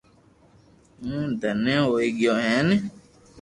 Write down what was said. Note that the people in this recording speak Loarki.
ھون دھنئي ھوئي گيو ھين